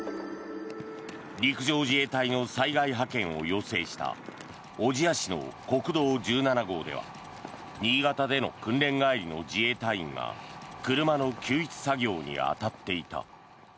陸上自衛隊の災害派遣を要請した小千谷市の国道１７号では新潟での訓練帰りの自衛隊員が車の救出作業に当たっていた。